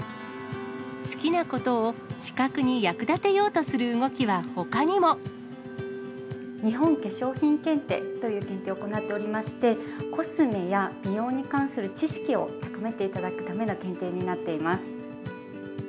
好きなことを資格に役立てよ日本化粧品検定という検定を行っておりまして、コスメや美容に関する知識を高めていただくための検定になっています。